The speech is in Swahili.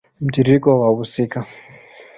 Mtiririko wa wahusika